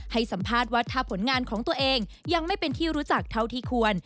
ให้สัมภาษณ์ว่าถ้าผลงานของตัวเองยังไม่เป็นที่รู้จักเท่าที่ควร